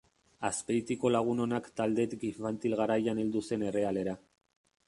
Azpeitiko Lagun Onak taldetik infantil garaian heldu zen errealera.